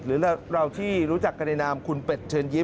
หรือเราที่รู้จักกันในนามคุณเป็ดเชิญยิ้